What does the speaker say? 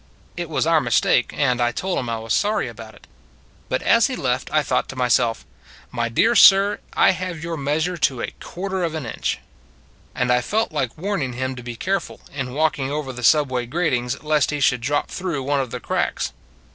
It was our mistake, and I told him I was sorry about it: but as he left I thought to myself, " My dear sir, I have your meas ure to a quarter of an inch." And I felt like warning him to be care ful, in walking over the subway gratings, lest he should drop through one of the cracks.